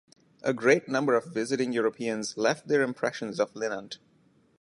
A great number of visiting Europeans left their impressions of Linant.